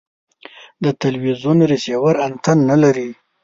د تلوزیون ریسیور انتن نلري